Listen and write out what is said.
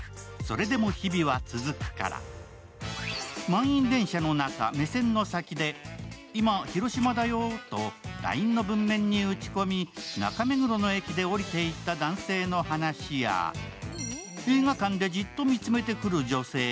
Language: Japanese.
満員電車の中、目線の先でいま広島だよと、ＬＩＮＥの文面に打ち込み、中目黒の駅で降りていった男性の話や、映画館で、じっと見つめてくる女性